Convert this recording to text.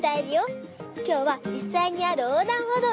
きょうはじっさいにあるおうだんほどうにきました！